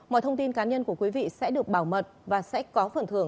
mọi thông tin cá nhân của quý vị sẽ được bảo mật và sẽ có phần thưởng